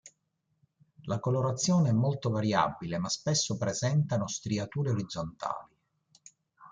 La colorazione è molto variabile ma spesso presentano striature orizzontali.